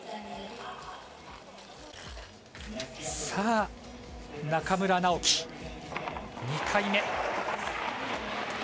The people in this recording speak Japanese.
さあ、中村直幹の２回目。